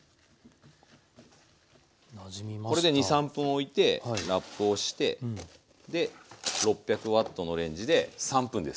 これで２３分おいてラップをしてで６００Ｗのレンジで３分です。